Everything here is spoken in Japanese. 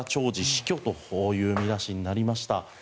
死去という見出しになりました。